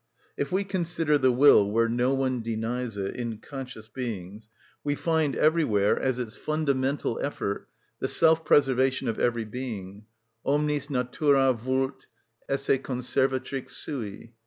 If we consider the will, where no one denies it, in conscious beings, we find everywhere, as its fundamental effort, the self‐preservation of every being: omnis natura vult esse conservatrix sui.